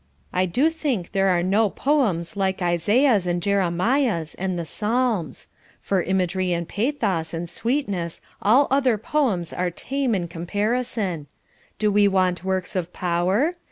I do think there are no poems like Isaiah's and Jeremiah's and the Psalms. For imagery and pathos and sweetness all other poems are tame in comparison. Do we want works of power?